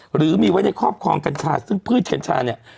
หรือมีไว้ในครอบครองกัญชาซึ่งพืชกัญชาเนี่ย